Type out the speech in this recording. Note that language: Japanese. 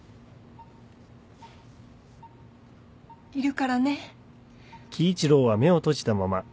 いるからね。